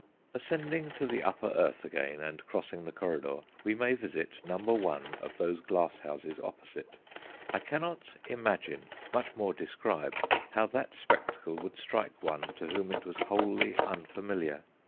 Ascending to the upper earth again, and crossing the corridor, we may visit number one of those glass houses opposite. I cannot imagine, much more describe, how that spectacle would strike one to whom it was wholly unfamiliar.